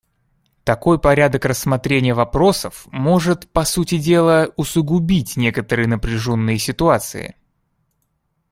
Такой порядок рассмотрения вопросов может, по сути дела, усугубить некоторые напряженные ситуации.